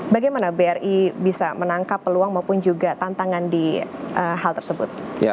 bagaimana bri bisa menangkap peluang maupun juga tantangan di hal tersebut